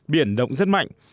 biển động rất mạnh